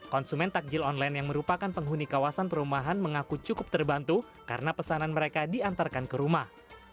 konsumen takjil online yang merupakan penghuni kawasan perumahan mengaku cukup terbantu karena pesanan mereka diantarkan ke rumah